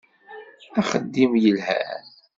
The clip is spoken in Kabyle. D axeddim yelhan!